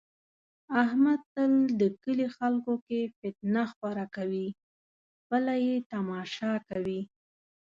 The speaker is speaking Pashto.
احمد تل د کلي خلکو کې فتنه خوره کوي، خپله یې تماشا کوي.